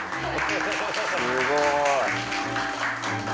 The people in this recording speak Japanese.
すごい。